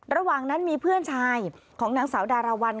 ระหว่างนั้นมีเพื่อนชายของนางสาวดารวรรณ